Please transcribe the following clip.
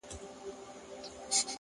د نورو مرسته انسان بډای کوي,